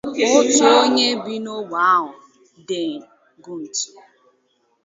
Otu onye bị n’ogbe ahụ Denen Guntu